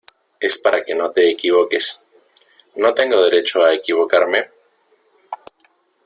es para que no te equivoques. ¿ no tengo derecho a equivocarme?